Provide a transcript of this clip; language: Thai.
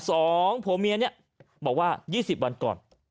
สองผู้เมียบอกว่า๒๐วันก่อน